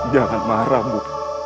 jangan marah bu